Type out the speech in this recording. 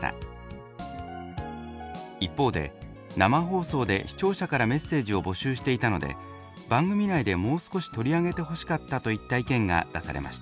一方で「生放送で視聴者からメッセージを募集していたので番組内でもう少し取り上げてほしかった」といった意見が出されました。